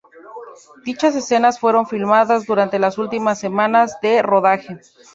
Dichas escenas fueron filmadas durante las últimas semanas de rodaje.